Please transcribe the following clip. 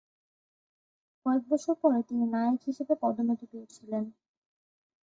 কয়েক বছর পরে তিনি নায়েক হিসেবে পদোন্নতি পেয়েছিলেন।